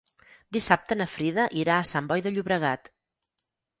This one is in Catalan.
Dissabte na Frida irà a Sant Boi de Llobregat.